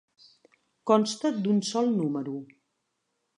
Consta d'un sol número.